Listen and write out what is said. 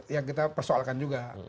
yang kita persoalkan juga